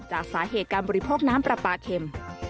จากสาเหตุการบริโภคน้ำปลาปลาเข็ม